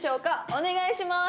お願いします！